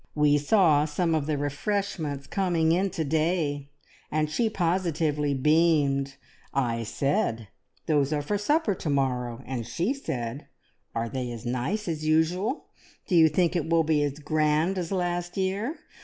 We saw some of the refreshments coming in to day, and she positively beamed! I said, `Those are for supper to morrow!' and she said, `Are they as nice as usual? Do you think it will be as grand as last year?